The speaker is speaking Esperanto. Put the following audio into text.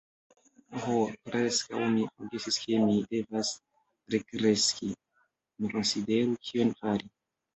Ho, preskaŭ mi forgesis ke mi devas rekreski! Mi konsideru kion fari.